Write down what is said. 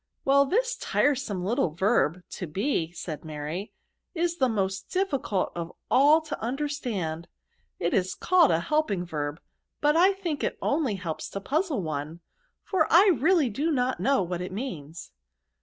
"Well, this tiresome little verb to be,'* said Mary, " is the most difficult of all to understand*. It is called a helping verb, but I think it only helps to puzzle one, for I really do not know what it means."